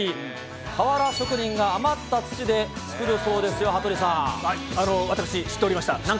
瓦職人が余った土で作るそうです私、知っておりました。